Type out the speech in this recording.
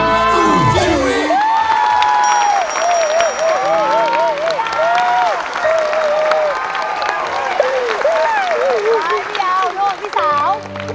ไปพี่ยาวรวบพี่สาว